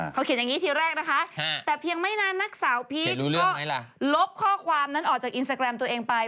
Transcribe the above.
เขาเขียนอย่างนี้ทีแรกนะคะแต่เพียงไม่นานนักสาวพีคก็ลบข้อความนั้นออกจากอินสตาแกรมตัวเองไป